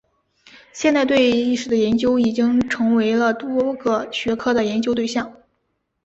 现代对意识的研究已经成为了多个学科的研究对象。